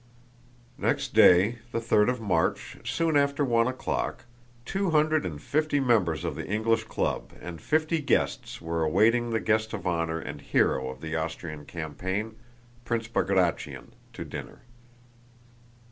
Next day, the third of March, soon after one o'clock, two hundred and fifty members of the English Club and fifty guests were awaiting the guest of honor and hero of the Austrian campaign, Prince Bagratión, to dinner.